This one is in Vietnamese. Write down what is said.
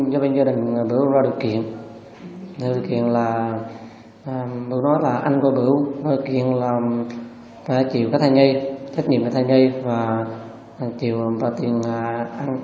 trong thời gian đó cũng có nói chuyện vài lần